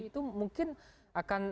itu mungkin akan